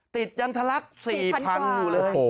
ยังทะลัก๔๐๐๐อยู่เลย